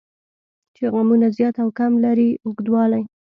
چې غمونه زیات او کم لري اوږدوالی.